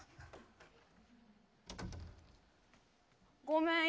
ごめん。